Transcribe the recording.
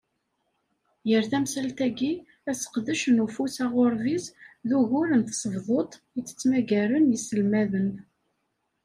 Gar temsal-agi, aseqdec n uwfus aɣurbiz, d wugur n tsebḍut i d-ttmaggaren yiselmaden.